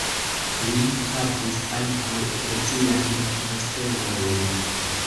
Li havis ankaŭ ekleziajn postenojn.